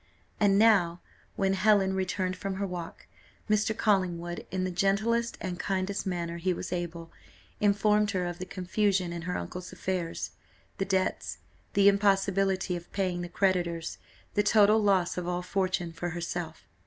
And now, when Helen returned from her walk, Mr. Collingwood, in the gentlest and kindest manner he was able, informed her of the confusion in her uncle's affairs, the debts, the impossibility of paying the creditors, the total loss of all fortune for herself.